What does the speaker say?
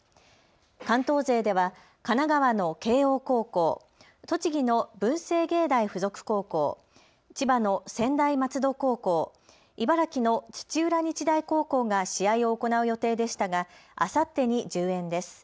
関東勢では神奈川の慶応高校、栃木の文星芸大付属高校、千葉の専大松戸高校、茨城の土浦日大高校が試合を行う予定でしたがあさってに順延です。